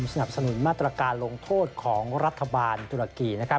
สนับสนุนมาตรการลงโทษของรัฐบาลตุรกี